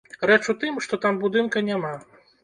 Рэч у тым, што там будынка няма.